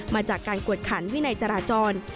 มาจากการกวดขันวินัยจราจร